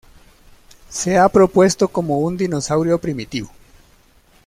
Se ha propuesto como un dinosaurio primitivo.